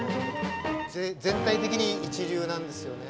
全体的に一流なんですよね。